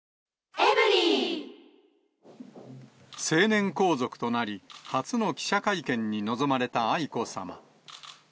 成年皇族となり、初の記者会見に臨まれた愛子さま。